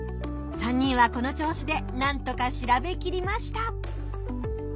３人はこの調子でなんとか調べきりました。